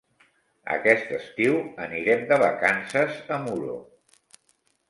Aquest estiu anirem de vacances a Muro.